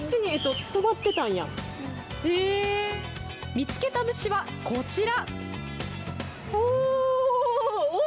見つけた虫はこちら。